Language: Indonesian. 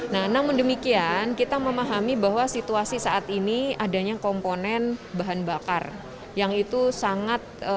nah namun demikian kita memahami bahwa situasi saat ini adanya komponen bahan bakar yang itu sangat